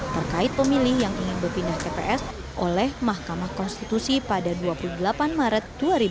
terkait pemilih yang ingin berpindah tps oleh mahkamah konstitusi pada dua puluh delapan maret dua ribu dua puluh